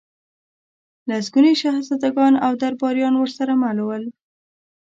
لسګوني شهزادګان او درباریان ورسره مل ول.